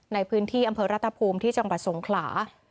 ในพื้นที่อำเภอรัตภูมิที่จังหวัดสงขลา